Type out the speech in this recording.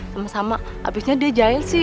sama sama abisnya dia jahit sih